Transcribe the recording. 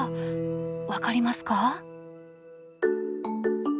分かりますか？